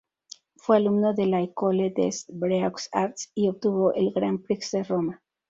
Fue alumno de la École des Beaux-Arts y obtuvo el Gran Prix de Roma.